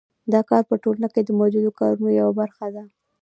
دا کار په ټولنه کې د موجودو کارونو یوه برخه ده